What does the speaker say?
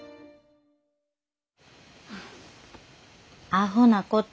アホなこと。